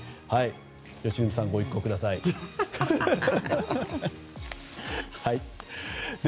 良純さん、ご一考くださいね。